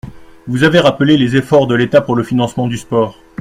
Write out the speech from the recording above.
Vous avez rappelé les efforts de l’État pour le financement du sport.